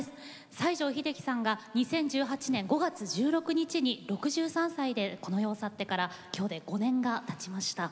西城秀樹さんが２０１８年５月１６日に６３歳でこの世を去ってから今日で５年がたちました。